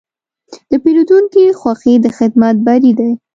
د پیرودونکي خوښي د خدمت بری دی.